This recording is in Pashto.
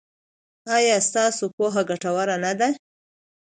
ایا ستاسو پوهه ګټوره نه ده؟